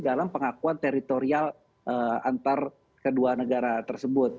dalam pengakuan teritorial antar kedua negara tersebut